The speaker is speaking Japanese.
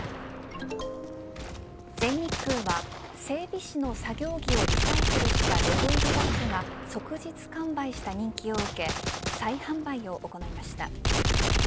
全日空は整備士の作業着をリサイクルしたロゴ入りバックが即日完売した人気を受け再販売を行いました。